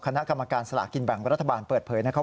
คณะกรรมการสลากินแบ่งรัฐบาลเปิดเผยนะครับ